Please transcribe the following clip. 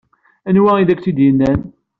Anwa i d ak-t-id-yennan?